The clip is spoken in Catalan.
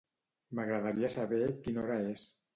M'agradaria saber quina hora és.